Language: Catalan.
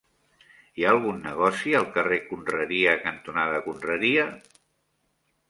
Hi ha algun negoci al carrer Conreria cantonada Conreria?